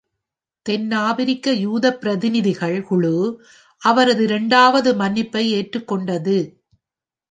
தென்னாப்பிரிக்க யூத பிரதிநிதிகள் குழு அவரது இரண்டாவது மன்னிப்பை ஏற்றுக்கொண்டது.